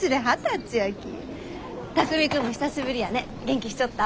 巧海君も久しぶりやね元気しちょった？